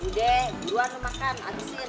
udah luar lo makan abisin